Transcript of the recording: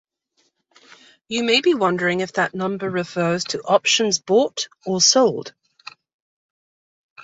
You may be wondering if that number refers to options bought or sold.